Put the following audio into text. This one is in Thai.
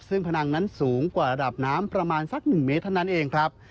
ซึ่งพนังนั้นสูงกว่าระดับน้ำประมาณสัก๑เมตรเท่านั้นเองครับ